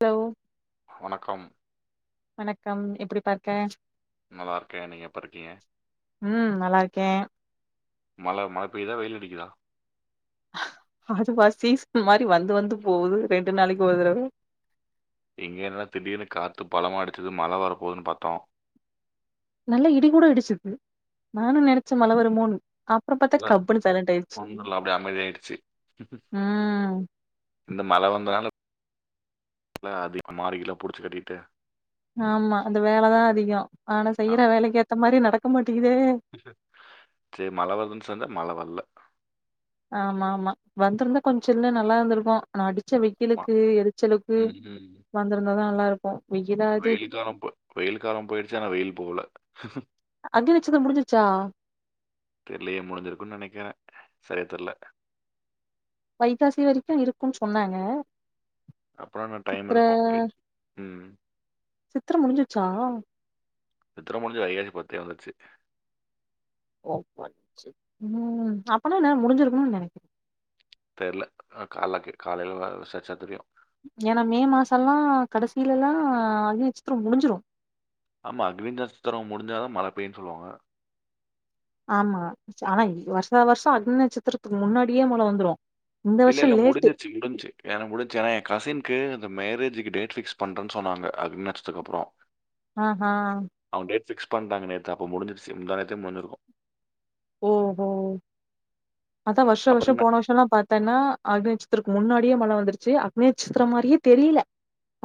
Low வணக்கம் வணக்கம் எப்டி பா இருக்க நல்லா இருக்கேன். நீங்க எப்ப இருக்கீங்க? ம் நல்லா இருக்கே மழ மழை பெய்யுதா வெயில் அடிக்குதா அதுவா சீசன் மாரி வந்து வந்து போகுது ரெண்டு நாளைக்கு ஒரு தடவ இங்க என்னன்னா திடீர்னு காத்து பலமா அடிச்சது மழ வரப்போதுன்னு பாத்தோ நல்ல இடி கூட இடிச்சது நானு நெனைச்சே மழ வருமோன்னு அப்றோ பாத்தா அதா கப்புன்னு சைலண்ட் ஆயிடுச்சு ஒன்னு இல்ல அப்டியே அமைதியாயிருச்சு ம் இந்த மழ வந்தனால ல அதிக மாடுகிலாம் புடிச்சு கட்டிட்டு ஆமா அது வேலதா அதிகம் ஆனா செய்யற ஆமா. வேலைக்கு ஏத்த மாரி நடக் சரி மழ வருதுன்னு செஞ்சா மழை வல்ல ஆமா ஆமா வந்துருந்தா கொஞ்ச சில்லுனு நல்லா இருந்திருக்கு ஆனா அடி ச்ச ஆமா. வெய்யிலுக்கு எரிச்சலுக்கு வந்திருந்தாதா நல்லா இரு க்கு வெயிலு காலம் போ வெயிலு காலம் போயிடுச்சு ஆனா வெயில் போகல அக்னி நட்சத்திரோ முடிஞ்சிருச்சா தெர்லையே முடிஞ்சிருக்குன்னு நெனைக்கறே சரியா தெர்ல வைகாசி வரிக்கு இருக்குன் சொன்னாங்க அப்புறோ என்ன டைம் சித்திர இருக்கு இர் ம் சித்திர முடிஞ்சிருச்சா சித்திர முடிஞ்சு வைகாசி பத்தே வந்துருச்சி ம் அப்பல்லா என்ன முடிஞ்சிருக்குனுன் நெனைக் தெர்ல அ காலக்கி காலையில வ விசாரிச்சா தெரியு ஏனா மே மாசெல்லா கடசில எல்லா அக்னி நச்சித்திரம் முடிஞ்சிரு ஆமா அக்னி நச்சித்திரம் முடிஞ்சாதா மழ பெய்யின் சொல்லுவாங்க ஆமா‌ ஆனா வருஷா வருஷோ அக்னி நட்சத்திரத்துக்கு முன்னாடியே மழ வந்துரு இந்த இல்ல வருஷோ இல்ல லேட்டு முடிஞ்சிருச்சி முடிஞ்ச்சி ஏனா முடிஞச்சி ஏனா எ கசின்க்கு அந்த மேரே ஜிக்கு டேட் பிக்ஸ் பண்றன் சொன்னாங்க அக்னி நடச்சத்துக்கு அப்புறோ அ ஹா ஃபிக்ஸ் பண்றாங்க நேத்து அப்ப முடிஞ்சிருச்சு முந்தா நேத்தே முன்னு இருக்கு ம் ம் அதா வருஷா வருஷோ அப்புறம் என்ன? போன வருஷோ எல்லா பாத்தேன்னா அக்னி நச்சத்தர்க்கு முன்னா டியே மழ வந்துருச்சி அக்னி நச்சித்திர மாரியே தெரியில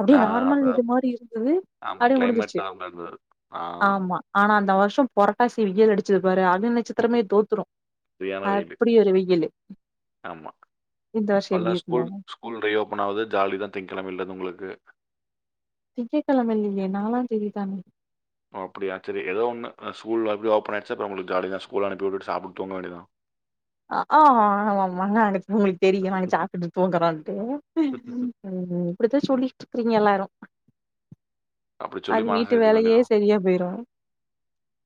அப்டியே ஆ நார்மல் இது அதான். மாரி இருந்து ஆமா அப்டியே கிளைமேட் முடிஞ்சிருச்சி நார்மலா இருந்தது. ஆ ஆமா ஆனா அந்த வருஷ் சும் பொரட்டாசி வெயில் அடிச்சது பாரு அக்னி நச்சத் த்தரமே தோத்துரு சரியான வெயிலு. அப்டி ஒரு வெயிலு ஆமா இந்த வருஷோ அல்லா எப்டி இருக்குமோ ஸ்கூல் ஸ்கூல் ரியோப்பன் ஆவுது ஜாலி தா திங்கெழமைலருந்து உங்களுக்கு திங்கக்கெழம இல்லியே நாலாந் தேதி தான அப்படியா சரி ஏதோ ஒன்னு ஸ்கூல் வந்து ஓப்பன் ஆச்சு ஆயிடுச்ச அப்ப உங்களுக்கு ஜாலி தான் ஸ்கூல் அனுப்பி விட்டு சாப்ட்டு தூங்க வேண்டியதா ஆ் ஆமாமா நா எனக்கு உங்களுக்கு தெரியும் நாங்க சாப்பிட்டு தூங்கறோான்ட்டு ம். அப்படித சொல்லிட்டு இருக்கிறீங்க எல்லாரும். அப்படி சொல்லி அது மனச வீட்டு வேலையே சரியா போயிரு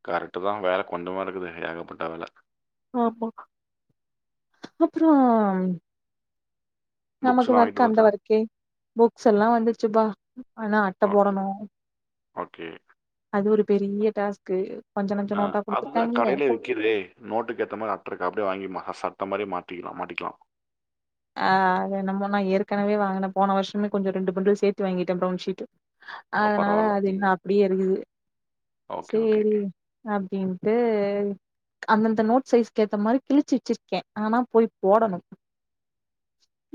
கரெட்டு தா வேல கொண்டமா இருக்குது ஏகப்பட்ட வேல ஆமா அப்றோ நமக்கு புக்ஸ்லாம் வொர்க் வாங்கிட்டு அந்த வந்தாச்சா? வொர்க்கே புக்ஸ் எல்லா வந்துருசுப்பா ஆனா அட்ட ஓகே. போடணு ஓகே. அது ஒரு பெரிய டாஸ்க்கு கொஞ்ச நஞ்ச ஆ நோட்டா அதுதா குடுத்துருக்காங்களே கடையிலே விக்குதே நோட்டுக்கு ஏத்த மாதிரி அட்டு இருக்கு அப்படியே வாங்கி மா அ மாரியே மாட்டிக்கலா மாட்டிக்கலா ஆ நம நா ஏற்கனவே வாங்கினே போன வருஷமே கொஞ்சம் ரெண்டு பந்டில் சேர்த்து வாங்கிட்டேன் பிரவுன் ஷீட். ஓ! அதுனால பரவால்ல. அது இன்னோ ம். அப்டியே இருக்குது ஓகே, ஓகே. சேரி அப்டின் டு அந்தந்த நோட் சைஸ்கேத்த மாரி கிழிச் வச்சிருக்கே ஆனா போய் போடணு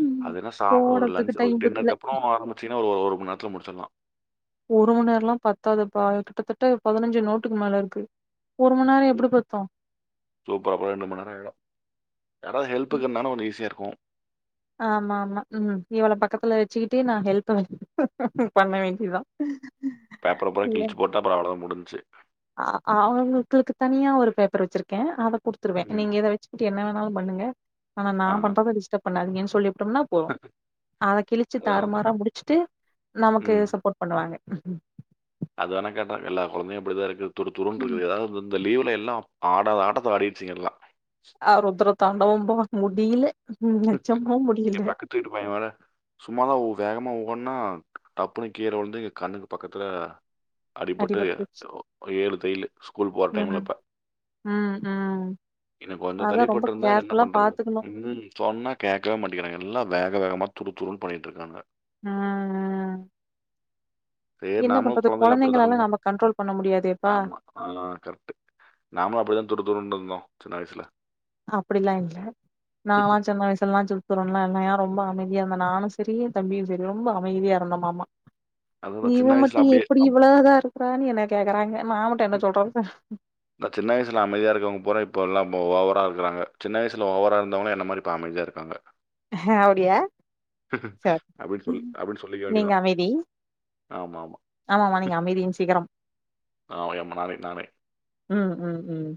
ம். அதுனா சா ஒரு போடறதுக்கு லன்ச் ஒரு டைம் பத்தல டின்னருக்கு அப்றோ ஆரம்பிச்சீங்கன்னா ஒரு ஒரு மண் நேரத்துல முடுச்சற்லா ஒரு மண் நேரல்லா பத்தாதுப்பா கிட்டத்தட்ட பதினஞ்சு நோட்டுக்கு மேல இருக்கு ஒரு மண் நேரோ ம். எப்டி பத்து சூப்பர். அப்புறம் மணி நேரம் ஆயிடும். யாராவது ம். ஹெல்ப்புக்கு இருந்தா கொஞ்ச ஈஸியா இருக்கு வா ஆமா ஆமா ம் இவள பக்கத்துல வச்சிக்கிட்டு நா ஹெல்ப்பு [unintelligible] பண்ண வேண்டிதா பேப்பர பூரா கிழிச்சு போட்டு அப்ற அவ்ளோதா முடு சேர் அ அவங்களுக்கு [unintelligible] தனியா ஒரு பேப்பர் வச்சுருக்கே அத குடுத்துருவே ம். நீங்க இத வச்சுகிட்டு என்ன வேணா னாலு பண்ணுங்க ஆனா நா ஆ. பண்றத டிஸ்ட்ப் பண்ணாதிங்கன் சொ ட்டம்னா போவு அத கிழிச்சு அதான். தாறுமாறா முடிச்சுட்டு நமக்கு சப்போர்ட் பண்ணுவாங்க ஹ அதா நா கேட்டே எல்லா குழந்தையு அப்டிதா இருக்கு துரு ம் துருன்ருக்குது ஏதாவது இந்த லீவ் வீட்ல எல்லா ஆடத ஆட்டத்த ஆடிச்சிங்க எல்லா அவரு உத்திர தாண்டோவப்பா முடி இல்லே எ பக்கத்து வீட்டு பைய வேறா சும்மாதா ஓ வேகமா ஓ பொன்னா டப்புனு கீழ விழுந்து இங்க கண்ணுக்கு பக்கத்துல அடிபட்டு அடிபட்ருச்சு ஏழு தையிலு ஸ்கூல் போற ம் டைம்ல இப்ப ம் ம் இன்னோ கொஞ்ஜோ அதா தள்ளிப் ரொம்ப பட்ருந்தா என்ன கேர்ஃபுல்லா பண்றது பாத்துக்கணு ம் சொன்னா கேக்கவே மாட்டேகிறாங்க எல்லா வேக வேகமா துரு துருனு பண்ணிட்டு இருக்கானுங்க ம் ம் அதே நாமளு கொழந்தைல அப்டிதா வந்தோ நம்ம கண்ட்ரோல் பண்ண முடியாதேப்பா ஆமா ஆ கரெட்டு நாம அப்டிதா துரு துருனு இருந்தோ சின்ன வயசுல அப்டிலா இல்ல நா லா சின்ன வயசுல்லா சுரு துருன்லா இல்லயா ரொம்ப அமை தியான நானு செரி எ தம்பியு செரி ரொம்ப அமைதியா இருந்தமாமா அதான் நான் சின்ன இவ வயசுல மட்டு அப்படியே எப்டி அப்- இவ்ளோ இதா இரு ப்பனு என்ன கேக்கறாங்க நா மட்டு என்ன சொல்றது நா சின்ன வயசுல அமைதியா இருக்கவங்க போறே இப்பலா ஓவரா இருக்குறாங்க சின்ன வயசுல ஓவரா இருந்தவங்களா என்ன மாரி இப்ப அமைதியா இருக்காங்க அவுடியா அப்டின்னு சொல் அப்டின்னு சொல்லிக்க வேண்டிதா நீங்க அமைதி ஆமா ஆம் ஆமாமா நீங்க அமைதியின் சிகரம் ஆ ரொம்ப நாளைக் நானே ம் ம் ம்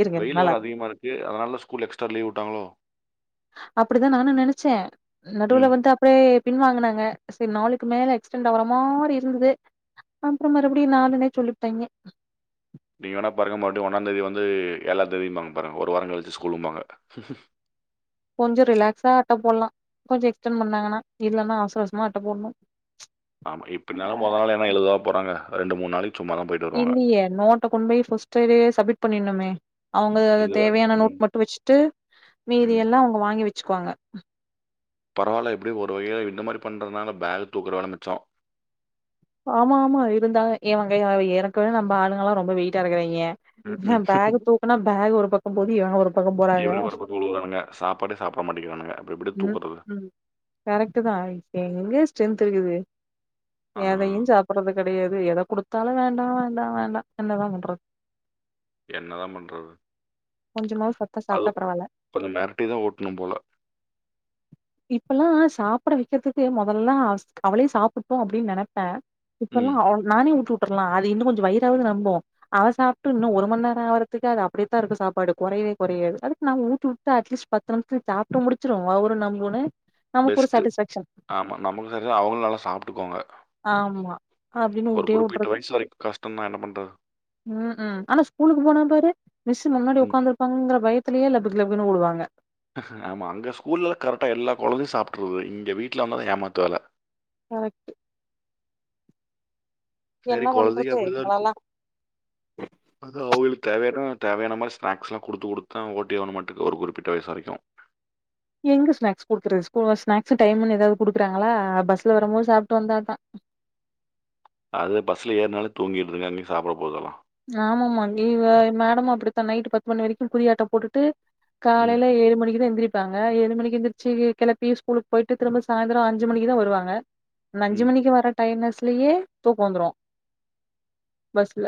இருங்க இருங்க வெயில் வேற நல்லா அதிகமா இருக்கு அதனால ஸ்கூல் எக்ஸ்டா லீவ் [unintelligible] அப்டிதா நானு நெனச்சே நடுவுல ம் வந்து அப்டேப் பின்வாங்குனாங்க சரி நாளுக்கு மேல எக்ஸடென்ட் ஆவுற மாரி இருந்தது அப்றோ மறுபடியு நாளுனே சொல்லிபுட்டாய்ங்க நீங்க வேணா பாருங்க மறுபடியு ஒன்னா தேதி வந்து ஏழாந்தேதிபாங்க பாருங்க ஒரு வாரோ கழிச்சி ஸ்கூலும்பாங்க கொஞ்ஜ ரிலாக்ஸா அட்ட போலா கொஞ்ஜோ எக்ஸ்டெண் பண்ணாங்கன்னா இல்லன்னா அவசர அவசரமா அட்ட போணோம் ஆமா எப்டின்னாலு மொத நாள் என்ன எழுதவா போறாங்க ரெண்டு மூணு நாளைக்கு சும்மா தான் போயிட்டு வருவாங்க இல்லையே நோட்ட கொண்டு போய் ஃபர்ஸ்டேவே சம்மிட் பண்ணிணுமே அவுங்க இது வேற. தேவையான ம் நோட் மட்டு வச்சுட்டு மீதி ம் எல்லா அவுங்க வாங்கி வச் வச்சுக்குவாங்க பரவால எப்டி ஒரு வகைல இந்த மாரி பண்றதுனால பேக் தூக்குற வேல மிச்சோ ஆமா ஆமா இருந்தா இவங்க ஏர்கனவே நம்ப ஆளுங்கலா ரொம்ப வெயிட்டா இருக்குராய்ங்க ம் மா ம் பேக் தூக்குனா பேக் ஒரு பக்கம் போது இவங்க ஒரு பக்கம் போறாங்க இவனுக்கு வர போட்டு விழுவுறானுங்க சாப்பாடே சாப்பிட மாட்டேங்கிறானுங்க அப்படி எப்படி தூக்குறது ம் கரெக்ட்டு தா [unintelligible] ஆ எதயு சாப்பட்றது கெடையாது எத குடுத்தாலு வேண்டா வேண்டா வேண்டா என்னதா பண்றது என்னதா பண்றது கொஞ்சமாவது சத்தா அது சாப்ட்டா பரவால்ல மெரட்டிதா ஊட்டணும் போல இப்பெல்லாம் சாப்பிட வைக்கிறதுக்கு மொதல்லாம் அவளே சாப்ட்டும் அப்டின்னு நனைப்பேன் ம் இப்பெல்லாம் அவ நானே ஊட்டு லாம் இன்ன கொஞ்சம் வயிறாது நம்பும் அவ சாப்ட்டு ஒருமந்நேரம் ஆகுறதுக்கு அது அப்டியேதான் இருக்கும் சாப்பாடு கொறையவே கொறையாது அதுக்கு நான் ஊட்டிவுட்டு அட்லீஸ்ட் பத்து நிமிஷத்துல சாப்ட்டு முடிச்சிரும் வவுரும் நம்பு ஒன பெஸ்ட் ஆமா நமக்கு சரிய அவுங்களும் நல்லா சாப்ட்டுக்வாங்க ஆமா அப்டின்னு ஊட்யே வுடுறது கஷ்டம்தான் என்ன பண்றது? ம் ம் ஆனா ஸ்கூலுக்கு போனா பாரு மிஸ் முன்னாடி ம். உ்க்காந்துருப்பாங்கற பயத் லயே லபக்கு லபக்குனுுடுவாங்க ஆமா அங்க ஸ்கூல்ல எல்லாம் கரெக்டா எல்லா கொழந்தையும் சாப்ட்டுருது இங்க வீட்ல வந்தான் ஏமாத்து வேல கரக்ட் சரி பண்றது கொழந்தைகங்க அப்டித்தான் இருக்கும் எங்களல்லா அது அவுங்களுக் தேவையான தேவையான மாரி ஸ்நாக்ஸ்லாம் கொடுத்து கொடுத்து தான் ஓட்டியவ மட்டக்கு ஒரு குறிப்பிட்ட வயசுவரைக்கும் எங்க ஸ்நாக்ஸ் குடுக்குறது ஸ்கூல் ஸ்நாக்ஸ் டைம்னுு ஏதாவது குடுக்குறாங்களா பஸ்ல வரும்போது சாப்ட்டு வந்தாதான் அது பஸ்ல ஏறனாலே தூங்கிடுதுங்க அங்கே சாப்பிட போதல்லாம் ஆமாமா இவ மேடமும் அப்டித்தான் நைட் பத்து மணி வரைக்கும் குதியாட்டம் போட்டுட்டு ம். காலையில ஏழு மணிக்கு எந்திரி ப்பங்க ஏழு மணி எந்திரச்சி கெளிப்பி ஸ்கூலுக்கு போயிட்டு திரும்ப சாயந்திரம் அஞ்சு மணிக்கு தான் வருவாங்க அஞ்சு ம். மணிக்கு வர டைம் ஸ் லியே தூக்கோ வந்துரும் பஸ்ல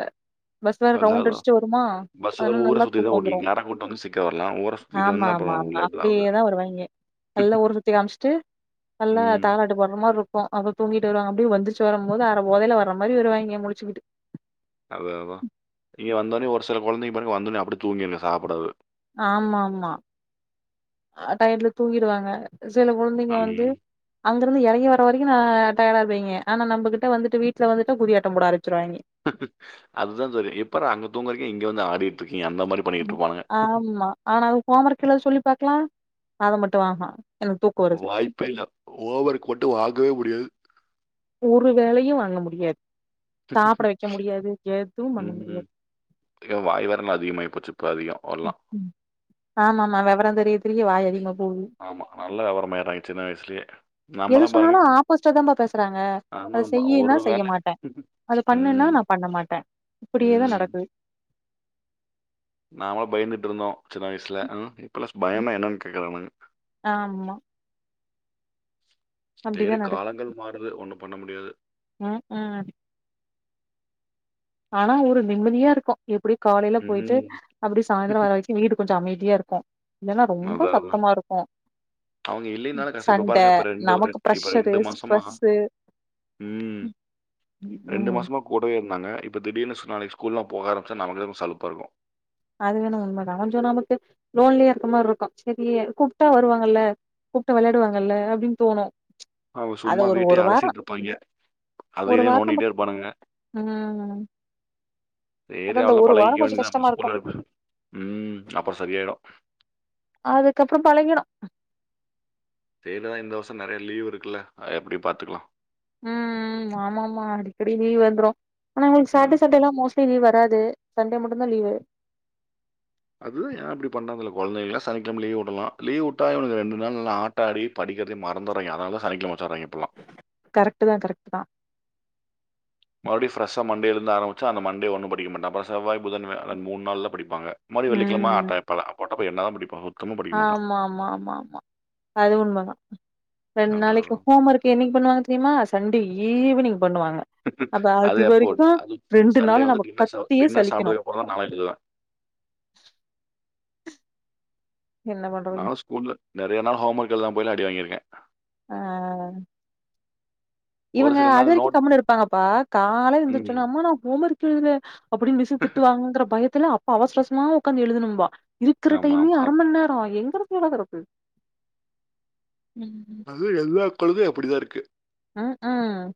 பஸ் வேற அதான் ரவுண்ட் அதான். அடிச்சுட்டு வருமா பஸ் வேற அதனால ஊர நல்லா சுத்தி தான் தூக்கம் ஓட்டிட்டு வந்துரும் நேரா கூட்டு வந்து சீக்கிரம் வரலாம். ஊர சுத்திட்டு ஆமா வந்து ஆமா அப்புறம் ஆமா லேட் தான் ஆகுது. அப்படியேதான் வருவாங்கே நல்லா ஊரு சுத்தி காமிச்சுட்டு நல்லா ம். தாலாட்டு பாடுற மாறி இருக் இப்ப அவ தூங்கிட்டு வருவாங்க அப்டி எந்திரிச்ச வரு போது அர போதைல வர்ற மாரி வருவாங்கே முழிச்சுகிட்டு அது அதா நீங்க வந்தோனே ஒரு சில கொழந்தைங்க பாருங்க வந்தோனே அப்படி தூங்கிருங்க சாப்படாது ஆமா ஆமா டைர்ல தூங்கிடுவாங்க சில கொழந்தைங்க ம். வந்து அங்கேருந்து எறங்கி வர வரைக்கு நா டயர்டா இருப்பீங்கே ஆனா நம்பகிட்ட வந்துட்டு வீட்ல வந்துட்டு குதி ஆட்டம் போட ஆரம் அதுதா தெரியு இப்ப அங்க தூங்கறக்க இங்க வந்து ஆடி ஆமா ஆனா அது ஹோமர்க் எழுத சொல்லு பாக்கலா அது மட்டு ஆஹ வாய்ப்பே இல்ல ஹோமர்கு மட்டு வாங்கவே முடியாது [inaudible] ஒரு வேலயு வாங்க முடியாது சாப்ட வைக்க முடியாது எதுவும் பண்ண ம் முடியாது ஏ வாய் வேரலா அதிகமாயி போச்சு இப்போ அதிகம் எல்லாம் ம் ஆமா ஆமா வெவரம் தெரிய தெரிய வாய் அதிகம் ஆமா நல்ல விவரமா ஆயிடுறாங்க சின்ன வயசுலயே எது நாமெல்லாம் பாருங்க சொன்னாலு ஆப்போஸிட்ட தாம்ப பேசுறாங்க ஆமா அத ஆமா செய்யின்னா ஒரு செய்ய வேலை மாட்ட‌ அதத பண்ணுன்னா ம் நா பண்ண மாட்ட இப்பிடியேதா ம் நடக்கு நாமளா பயந்துட்டு இருந்தோ சின்ன வயசுல பிளஸ் ம் பயமா என்னன்னு கேக்றானுங்க ஆமா அப்டிதா செரி காலங்கள் மாறுது ஒன்னு பண்ண முடியாது ம்க்ம் ஆனா ஒரு நிம்மதியா இருக்கு எப்டி காலையில போயிட்டு ம் அப்டி சாயந்தரோ வரவரைக்கு வீடு கொஞ்சோ அமைதியா தியா இருக்கு இல்லன்னா ரொம்ப அதா அதா சத்தமா இருக்கு அவுங்க இல்லினாலு கஸ் இப்ப சண்ட பாருங்க இப்ப ரெண்டு நமக்கு இப்ப ப்ரெஷரு ரெண்டு மாசமா ஸ்ட்ரெஸ்ஸு ம் ரெண்டு ம் மாசமா கூடவே இருந்தாங்க இப்போ தீடீர்னு நாளைக்கு ஸ்கூல்லலாம் போக ஆரம்பிச்சா நமக்கே சலுப்பா இருக்கு அதுவேணா உண்ம தா கொஞ்சோ நமக்கு லோன்லியா இருக்கமார்ருக்கு செரி கூப்ட்டா வருவாங்கல்ல கூப்ட்டா வெளாடுவாங்கல்ல அப்டின்னு தோணு அவுங்க அது சும்மா ஒரு வீட்டே ஒரு வாரோ அலசிட்டிருப்பாய்ங்க அதை ஒரு இதை வாரோ நம்ம நோண்டிகிட்டே இருப்பானுங்க ம் அதா சேர் அந்த அதுல்லா ஒரு வாரோ பழகிக்க கொஞ்சோ வேண்டியதா இப்ப கஷ்டமா இருக்கு ஸ்கூல்ல அனு ம் அப்ப செரியாயிடு அதுக்கப்உறோ பழகிடு தேதா இந்த வருசம் நெறைய லீவ் இருக்குல்ல அது எப்டி பாத்துக்கலா ம் ஆமாமா அடிக்கடி லீவ் வந்துரு ஆன உங்களுக்கு சேட்டே ஆமா. சண்டேலா மோஸ்ட்லி லீவ் வராது சண்டே மட்டுந்தா லீவு அது ஏ அப்டி பண்ணதுல கொழந்தைகள சனிக்கெழம லீவ் உடலா லீவ் உட்டா இவனுக ரண்டு நாள் நல்லா ஆட்ட ஆடி படிக்கறதயே மறந்துர்றாங்க அதனால தா சனிக்கெழம வச்சிர்ராங்க இப்பல்லா கரெக்ட் தா கரெக்ட் தா மறுடியு ஃப்ரெஷ்ஷா மண்டேல இருந்து ஆரம்பிச்சா அந்த மண்டே ஒன்னு படிக்க மாட்டா அப்ப செவ்வாய் புதன் வியாழன் மூனு நாள்தா படிப்பாங்க மறுவுடியு வெள்ளிக்கெழம ஆட்டாய்ப்பால அப்ப அப்ப என்னதா படிப்பாகோ ஆமா ஆமா ஆமா ஆமா அது உண்மதா ரெண்டு அதான் நாளைக்கு அதான். ஹோம் ஒர்க் என்னிக்கு பண்ணுவாங்க தெரியுமா சண்டே ஈவினிங் பண்ணுவாங்க அப்ப அதே அது அப்போ வரைக்கு அது ரெண்டு நாளு சண்டே வந்து நம்ம டின்னர் சாப் கத்தியே டின்னர் சலிக்கணு சாப்ட்டதுக்குப்பறந்தா நாலா எழுதுவே என்ன பண்றது அதனால ஸ்கூல்ல நறையா நாள் ஹோம் ஒர்க் எழுதாம போயிலா அடி வாங்கிருக்கே ஆ ஒரு இவுங்க சில அது நாள் வரைக்கு நோட் கம்முனு இருப்பாங்கப்பா காலல ம் எந்திரிச்சவுன்ன அம்மா நா ஹோம் ஒர்க் எழுதல அப்புடினு மிஸ்ஸு திட்டுவாங்கங்ற பயத் துல அப்ப அவசர அவசரமா உக்காந்து எழுதனும்பா இருக்கற ஆமா டைமே ஆமா அரை அது மண்நேர எங்க எழுதறது அது எல்லா கழுதையு அப்புடிதா இருக்கு ம் ம்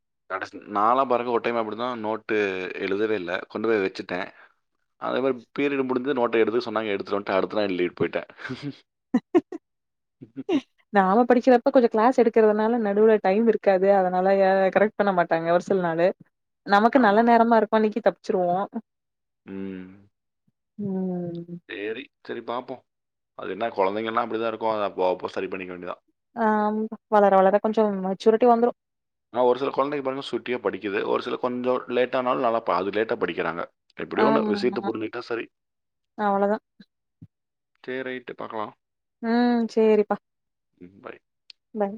நாலா பாருங்க ஒரு டைம் அப்டி தா நோட்டு எழுதவே இல்ல கொண்டு போய் வச்சுட்டே அதே மாரி பீரியடு முடிஞ்சது நோட்ட எடுத்துக்க சொன்னாங்க எடுத்துட்டு வந்துட்ட அடுத்த நாள் எழுதிட்டு போய்ட்டே நாம படிக்கறப்ப கொஞ்ச கிளாஸ் எடுக்கறதுனால நடுவுல டைம் இருக்காது அதனால கரெக்ட் பண்ண மாட்டாங்க ஒரு சில நாளு நமக்கு நல்ல ஆமா நேரமா இருக்கு அன்னைக்கு தப் ச்சிருவோ ம் ம் சரி சரி பாப்போ அது என்ன கொழந்தைங்க எல்லா அப்புடிதா இருக்கு அதப் போகப்போக சரி பண்ணிக்க வேண்டியதா ஆ வளர வளர கொஞ்சம் மெச்சூரிட்டி வந்துரு ஆனா ஒரு சில கொழந்தைங்க பாருங்க சுட்டியா படிக்குது ஒரு சில கொஞ்ச லேட் ஆனாலு நல்லா ப அது லேட்டா படிக்கறாங்க எப்படியோ ஒண்ணு விசயத்த ஆமா. புருஞ்சுகிட்டா சரி அவ்வளதான். சேர் ரைட்டு பாக்கலா ம் சேரிப்பா ம் பய் பய்